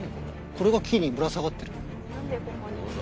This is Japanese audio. これが木にぶら下がってる。